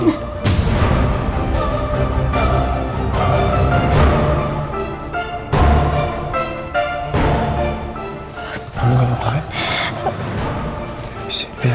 dia yang buang ndi ke mati asuhan buat tiara gudang